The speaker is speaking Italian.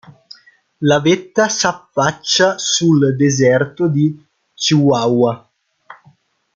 La vetta s'affaccia sul deserto di Chihuahua.